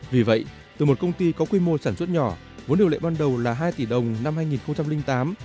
vì vậy từ một công ty có quy mô sản xuất nhỏ vốn điều lệ ban đầu là hai tỷ đồng năm hai nghìn tám